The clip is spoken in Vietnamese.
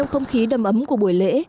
trong không khí đầm ấm của buổi lễ